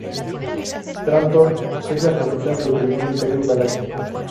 Trántor es la capital del primer Imperio Galáctico.